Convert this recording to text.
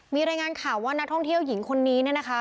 มีรายงานข่าวว่านักท่องเที่ยวหญิงคนนี้เนี่ยนะคะ